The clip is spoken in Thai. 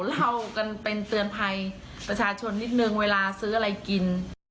เล่ากันเป็นเตือนภัยประชาชนนิดนึงเวลาซื้ออะไรกิน